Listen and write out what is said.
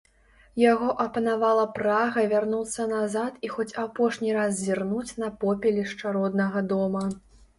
Яго апанавала прага вярнуцца назад і хоць апошні раз зірнуць на попелішча роднага дома.